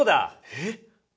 えっ！？